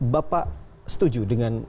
bapak setuju dengan